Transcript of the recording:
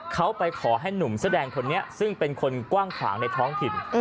เขาไปขอให้หนุ่มเสื้อแดงคนนี้ซึ่งเป็นคนกว้างขวางในท้องถิ่น